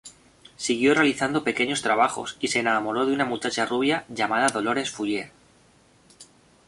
Siguió realizando pequeños trabajos y se enamoró de una muchacha rubia llamada Dolores Fuller.